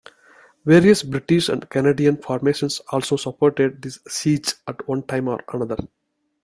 Various British and Canadian formations also supported the siege at one time or another.